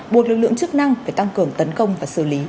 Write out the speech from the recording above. buộc lực lượng chức năng phải tăng cường tấn công và xử lý